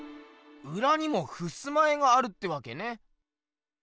うらにもふすま絵があるってわけね？